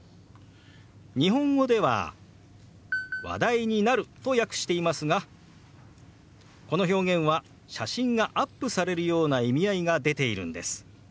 日本語では「話題になる」と訳していますがこの表現は写真がアップされるような意味合いが出ているんです。